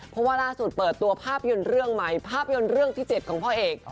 เพราะว่าล่าสุดเปิดตัวภาพยนตร์เรื่องใหม่ภาพยนตร์เรื่องที่๗ของพ่อเอก